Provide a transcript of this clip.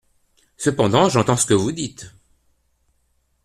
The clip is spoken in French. Cependant, j’entends ce que vous dites.